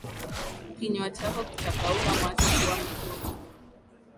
kinywa chako chakauka macho kuwa mekundu